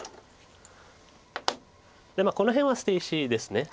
この辺は捨て石です。